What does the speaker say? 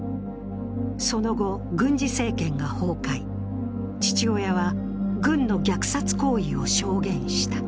その後、軍事政権が崩壊、父親は軍の虐殺行為を証言した。